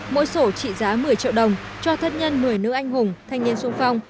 mỗi sổ trị giá một mươi triệu đồng cho thân nhân một mươi nữ anh hùng thanh niên sung phong